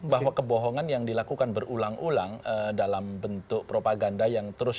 bahwa kebohongan yang dilakukan berulang ulang dalam bentuk propaganda yang terus